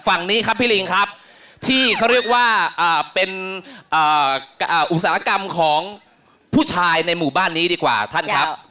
ฝั่งนี้ครับพี่ลิงครับที่เขาเรียกว่าเป็นอุตสาหกรรมของผู้ชายในหมู่บ้านนี้ดีกว่าท่านครับ